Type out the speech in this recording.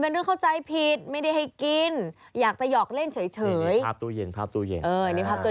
นี่ภาพตัวเย็น